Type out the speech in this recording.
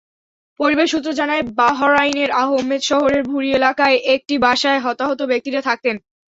পরিবার সূত্র জানায়, বাহরাইনের আহমদ শহরের ভুরি এলাকার একটি বাসায় হতাহত ব্যক্তিরা থাকতেন।